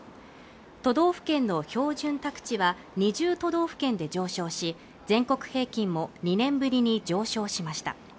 都道府県の標準宅地は２０都道府県で上昇し全国平均も２年ぶりに上昇しました